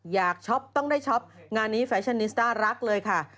ช็อปต้องได้ช็อปงานนี้แฟชั่นนิสต้ารักเลยค่ะ